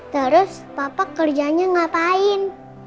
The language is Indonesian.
terus papa kerjanya ngapain